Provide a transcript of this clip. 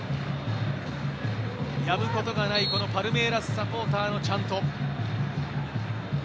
やむことがないパルメイラスサポーターのチャント。